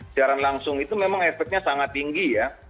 siaran langsung itu memang efeknya sangat tinggi ya